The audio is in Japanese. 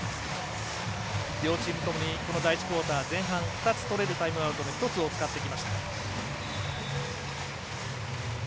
両チームともに第１クオーター、前半２つ取れるタイムアウトのうちの１つを使ってきました。